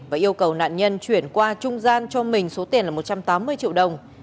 và yêu cầu nạn nhân chuyển qua trung gian cho mình số tiền là một trăm tám mươi triệu đồng